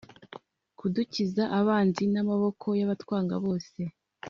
Kudukiza abanzi n amaboko y abatwanga bose